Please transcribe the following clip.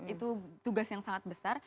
itu tugas yang sangat besar